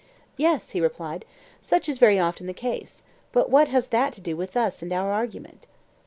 Yes, he replied, such is very often the case; but what has that to do with us and our argument?